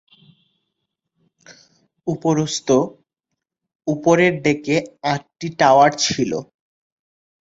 উপরন্তু, উপরের ডেকে আটটি টাওয়ার ছিলো।